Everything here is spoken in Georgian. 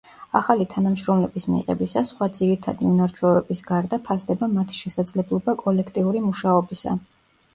ახალი თანამშრომლების მიღებისას, სხვა ძირითადი უნარჩვევების გარდა ფასდება მათი შესაძლებლობა კოლექტიური მუშაობისა.